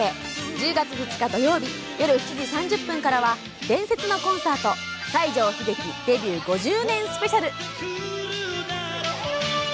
１０月２日土曜日夜７時３０分からは「伝説のコンサート西城秀樹・デビュー５０年スペシャル」。